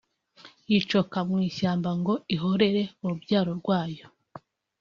yicoka mu ishyamba ngo ihorere urubyaro rwayo